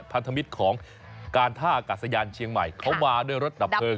พันธมิตรของการท่าอากาศยานเชียงใหม่เขามาด้วยรถดับเพลิง